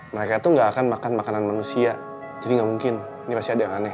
mereka itu nggak akan makan makanan manusia jadi nggak mungkin ini pasti ada yang aneh